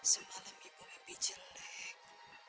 semalam ibu lebih jelek